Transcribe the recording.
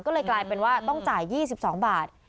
ก็เลยกลายเป็นว่าต้องจ่าย๒๒บาท